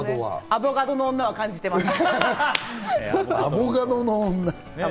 アボガドの女は感じてます。